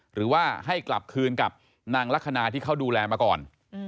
หรือว่าให้กลับคืนกับนางลักษณะที่เขาดูแลมาก่อน